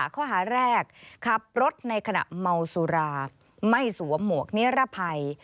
ข้อหาแรกขับรถในขณะเมาสุราไม่สวมหมวกนิรภัย